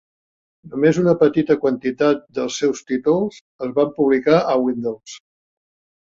Només una petita quantitat dels seus títols es van publicar a Windows.